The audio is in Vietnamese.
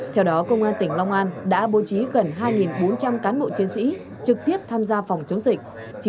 theo đó công an tỉnh long an đã bố trí gần hai bốn trăm linh cán bộ chiến sĩ trực tiếp tham gia phòng chống dịch